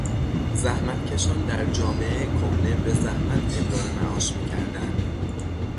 زحمتکشان در جامعهٔ کهنه بزحمت امرار معاش میکردند.